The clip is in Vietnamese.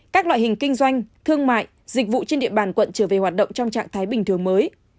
các loại hình kinh doanh thương mại dịch vụ trên địa bàn quận trở về hoạt động trong trạng thái bình thường mới